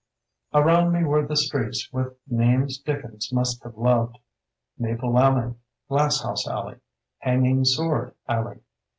Around me were the streets with names Dickens must have loved : Mag pie Alley; Glasshouse Alley; Hanging Sword Alley.